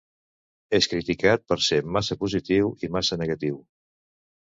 És criticat per ser "massa positiu" i "massa negatiu".